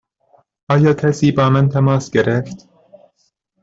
آیا کسی با من تماس گرفت؟